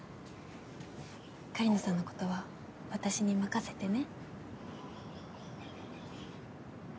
狩野さんの事は私に任せてね。